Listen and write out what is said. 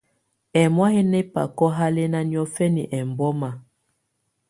Ɛ́mɔ̀á yɛ́ ná ɛbakɔ̀ halɛna niɔ̀gǝna ɛmbɔma.